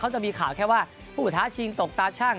เขาจะมีข่าวแค่ว่าผู้ท้าชิงตกตาชั่ง